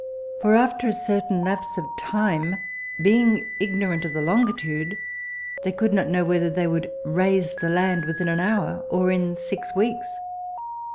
For after a certain lapse of time, being ignorant of the longitude, they could not know whether they would "raise" the land within an hour or in six weeks.